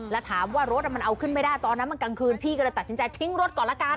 แล้วถามว่ารถมันเอาขึ้นไม่ได้ตอนนั้นมันกลางคืนพี่ก็เลยตัดสินใจทิ้งรถก่อนละกัน